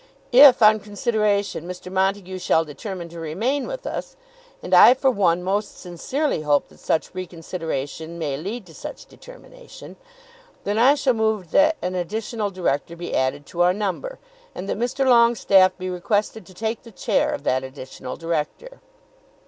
If on reconsideration Mr. Montague shall determine to remain with us, and I for one most sincerely hope that such reconsideration may lead to such determination, then I shall move that an additional director be added to our number, and that Mr. Longestaffe be requested to take the chair of that additional director."